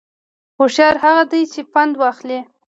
هوشیار هغه دی چې پند واخلي